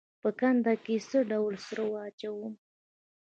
په کنده کې څه ډول سره واچوم؟